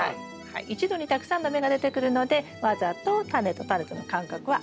一度にたくさんの芽が出てくるのでわざとタネとタネとの間隔は空けて頂きます。